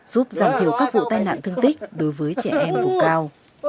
giúp giảm thiểu các vụ tai nạn thương tích đối với trẻ em vùng cao